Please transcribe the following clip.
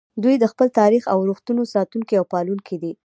دوی د خپل تاریخ او ارزښتونو ساتونکي او پالونکي دي